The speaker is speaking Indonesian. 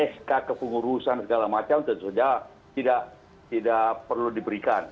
sk kepengurusan segala macam sudah tidak perlu diberikan